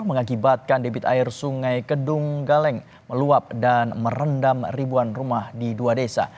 mengakibatkan debit air sungai kedung galeng meluap dan merendam ribuan rumah di dua desa